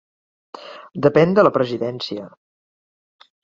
Depèn de la Presidència.